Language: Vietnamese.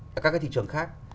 hoặc các cái thị trường khác